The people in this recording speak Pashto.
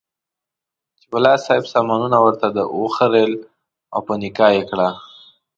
چې ملا صاحب سامانونه ورته وخریېل او په نکاح یې کړه.